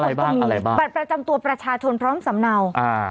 อะไรบ้างบัตรประจำตัวประชาชนพร้อมสำเนา